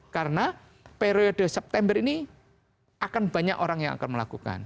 karena periode september ini akan banyak orang yang akan melakukan